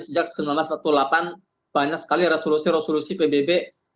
sejak seribu sembilan ratus empat puluh delapan banyak sekali resolusi resolusi pbb